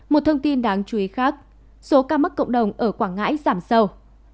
một thông tin đáng chú ý khác số ca mắc cộng đồng ở quảng ngãi giảm sâu